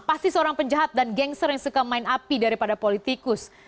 pasti seorang penjahat dan gengser yang suka main api daripada politikus